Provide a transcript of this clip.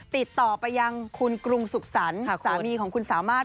ติดต่อไปยังคุณกรุงสุขสรรค์สามีของคุณสามารถ